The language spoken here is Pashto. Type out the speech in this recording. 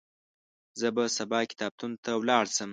زه به سبا کتابتون ته ولاړ شم.